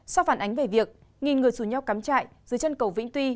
sau phản ánh về việc nghìn người rủ nhau cắm trại dưới chân cầu vĩnh tuy